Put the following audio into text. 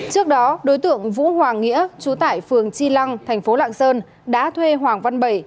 trước đó đối tượng vũ hoàng nghĩa trú tại phường chi lăng thành phố lạng sơn đã thuê hoàng văn bảy